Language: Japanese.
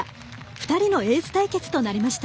２人のエース対決となりました。